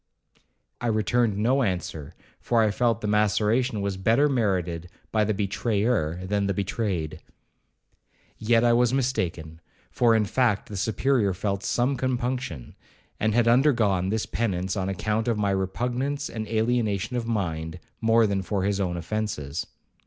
I returned no answer, for I felt the maceration was better merited by the betrayer than the betrayed. Yet I was mistaken; for in fact, the Superior felt some compunction, and had undergone this penance on account of my repugnance and alienation of mind, more than for his own offences.